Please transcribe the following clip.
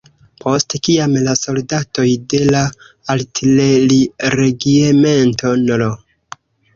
Post kiam la soldatoj de la Artileriregiemento nr.